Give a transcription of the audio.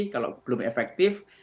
kalau belum efektif